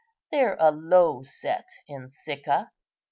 They're a low set in Sicca."